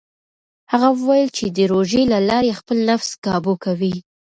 هغه وویل چې د روژې له لارې خپل نفس کابو کوي.